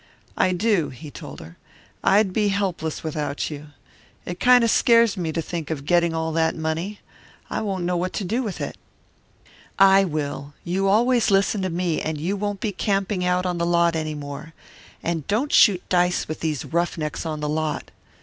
"I do," he told her. "I'd be helpless without you. It kind of scares me to think of getting all that money. I won't know what to do with it." "I will; you always listen to me, and you won't be camping on the lot any more. And don't shoot dice with these rough necks on the lot."